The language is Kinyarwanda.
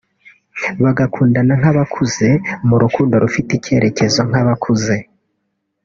bagakundana nk’abakuze mu rukundo rufite icyerekezo nk’abakuze